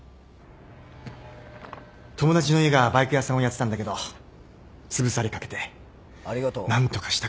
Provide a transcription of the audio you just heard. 友達の家がバイク屋さんをやってたんだけどつぶされかけて何とかしたくて。